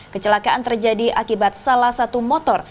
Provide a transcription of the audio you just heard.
kecelakaan terjadi akibat salah satu motor